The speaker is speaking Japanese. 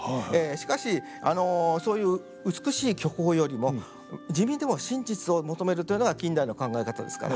しかしそういう美しい虚構よりも地味でも真実を求めるというのが近代の考え方ですから。